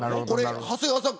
長谷川さん